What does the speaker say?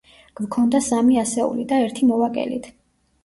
გვქონდა სამი ასეული და ერთი მოვაკელით.